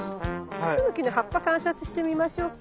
クスノキの葉っぱ観察してみましょうか。